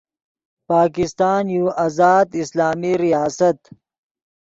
پاکستان یو آزاد اسلامی ریاست